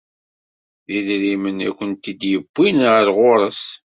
D idrimen i kent-id-yewwin ar ɣur-s.